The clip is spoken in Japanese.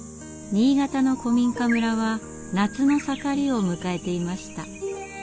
新潟の古民家村は夏の盛りを迎えていました。